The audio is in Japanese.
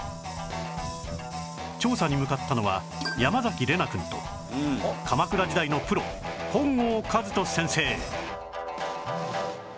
調査に向かったのは山崎怜奈くんと鎌倉時代のプロ本郷和人先生